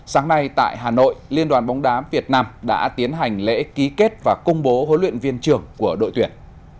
sáng nay tại hà nội liên đoàn bóng đá việt nam đã tiến hành lễ ký kết và công bố huấn luyện viên trưởng của đội tuyển